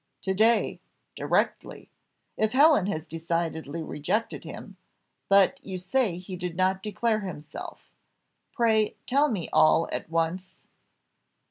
"To day directly, if Helen has decidedly rejected him; but you say he did not declare himself. Pray tell me all at once."